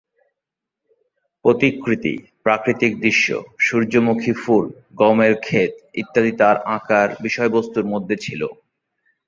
প্রতিকৃতি, প্রাকৃতিক দৃশ্য, সূর্যমুখী ফুল, গমের ক্ষেত ইত্যাদি তার আঁকার বিষয়বস্তুর মধ্যে ছিল।